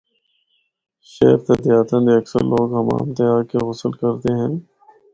شہر تے دیہاتاں دے اکثر لوگ حمام تے آ کے غسل کردے ہن۔